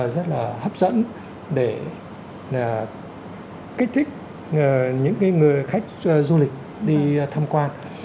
rất là hấp dẫn để kích thích những cái người khách du lịch đi thăm quan